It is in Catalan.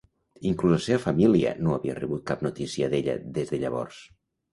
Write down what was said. Inclús la seva família no havia rebut cap notícia d'ella des de llavors.